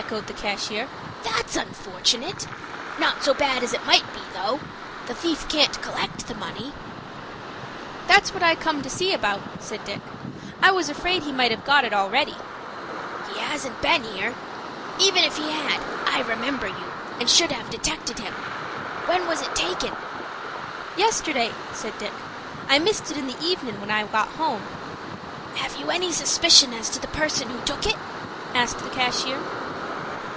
echoed the cashier. "That's unfortunate. Not so bad as it might be, though. The thief can't collect the money." "That's what I came to see about," said Dick. "I was afraid he might have got it already." "He hasn't been here yet. Even if he had, I remember you, and should have detected him. When was it taken?" "Yesterday," said Dick. "I missed it in the evenin' when I got home." "Have you any suspicion as to the person who took it?" asked the cashier.